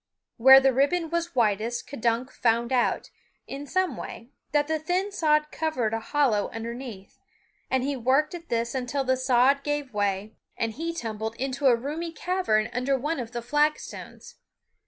Where the ribbon was widest K'dunk found out, in some way, that the thin sod covered a hollow underneath, and he worked at this until the sod gave way and he tumbled into a roomy cavern under one of the flagstones.